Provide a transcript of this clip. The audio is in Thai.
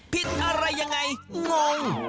ผิดอะไรยังไงงง